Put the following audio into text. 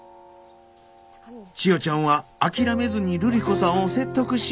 千代ちゃんは諦めずにルリ子さんを説得し。